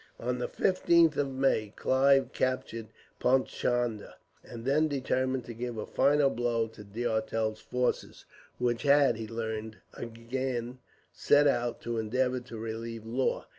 On the 15th of May Clive captured Paichandah, and then determined to give a final blow to D'Auteuil's force; which had, he learned, again set out to endeavour to relieve Law.